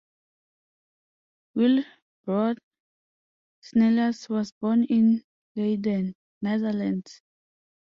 Willebrord Snellius was born in Leiden, Netherlands.